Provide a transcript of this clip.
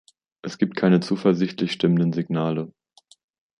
Es gibt keine zuversichtlich stimmenden Signale.